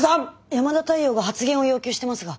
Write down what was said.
山田太陽が発言を要求してますが。